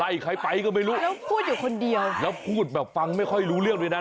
ใครไปก็ไม่รู้แล้วพูดอยู่คนเดียวแล้วพูดแบบฟังไม่ค่อยรู้เรื่องด้วยนะ